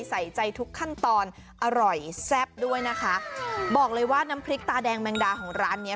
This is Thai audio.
ใส่ใจทุกขั้นตอนอร่อยแซ่บด้วยนะคะบอกเลยว่าน้ำพริกตาแดงแมงดาของร้านเนี้ย